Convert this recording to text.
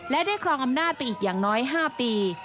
และได้ครองอำนาจไปอีกอย่างน้อย๕ปี